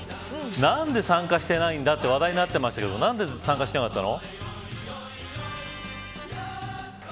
何で参加していないんだと話題になってましたけど何で参加してなかったの。